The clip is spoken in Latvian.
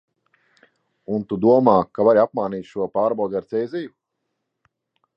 Un tu domā, ka vari apmānīt šo pārbaudi ar cēziju?